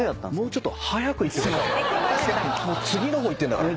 もう次の方いってんだから。